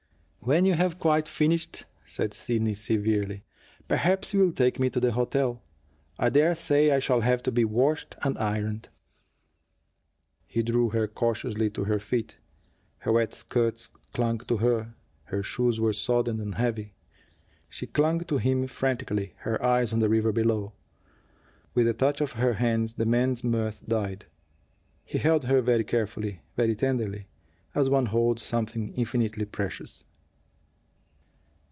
"When you have quite finished," said Sidney severely, "perhaps you will take me to the hotel. I dare say I shall have to be washed and ironed." He drew her cautiously to her feet. Her wet skirts clung to her; her shoes were sodden and heavy. She clung to him frantically, her eyes on the river below. With the touch of her hands the man's mirth died. He held her very carefully, very tenderly, as one holds something infinitely precious.